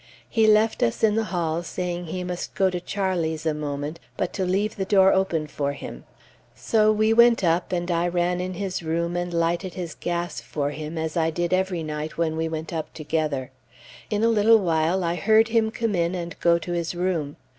He left us in the hall, saying he must go to Charlie's a moment, but to leave the door open for him. So we went up, and I ran in his room, and lighted his gas for him, as I did every night when we went up together. In a little while I heard him come in and go to his room.